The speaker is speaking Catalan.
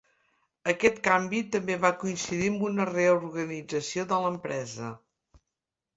Aquest canvi també va coincidir amb una reorganització de l'empresa.